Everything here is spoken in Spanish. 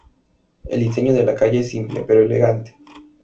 El diseño de la calle es simple, pero elegante.